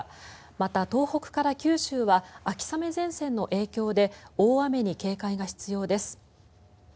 また、東北から九州は秋雨前線の影響で大雨に警戒が必要です。